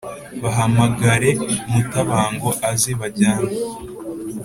bahamagare mutabango aze bajyane